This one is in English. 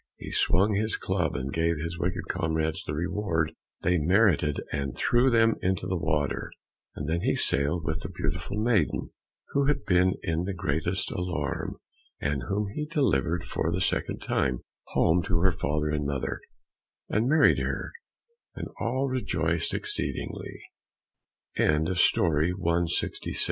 He swung his club and gave his wicked comrades the reward they merited and threw them into the water, and then he sailed with the beautiful maiden, who had been in the greatest alarm, and whom he delivered for the second time, home to her father and mother, and married her, and all rejoice